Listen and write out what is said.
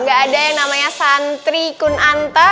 gak ada yang namanya santri kunanta